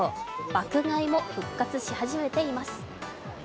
爆買いも復活し始めています。